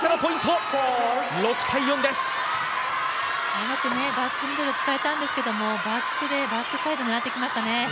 うまくバックミドルを突かれたんですけど、バックでバックサイドを狙ってきましたね。